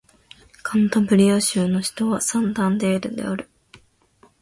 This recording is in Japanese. カンタブリア州の州都はサンタンデールである